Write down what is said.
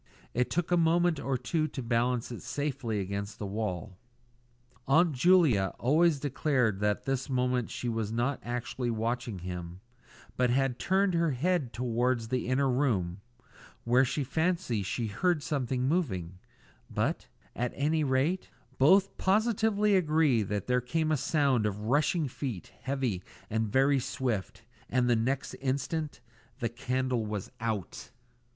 It took a moment or two to balance it safely against the wall. Aunt Julia always declared that at this moment she was not actually watching him, but had turned her head towards the inner room, where she fancied she heard something moving; but, at any rate, both positively agreed that there came a sound of rushing feet, heavy and very swift and the next instant the candle was out!